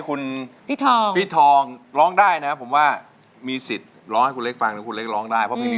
ปูมีค่ามากมายแต่ทำไมหัวปูมันไม่มี